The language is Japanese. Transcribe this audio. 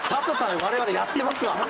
我々やってますわ。